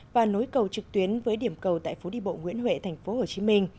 và nối cầu trực tuyến với điểm cầu tại phố đi bộ nguyễn huệ tp hcm